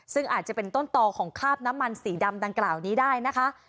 ซึ่งอาจจะเป็นต้นต่อของคาบน้ำมันสีดำดังกล่าวนี้ได้นะคะ